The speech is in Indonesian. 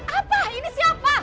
apa ini siapa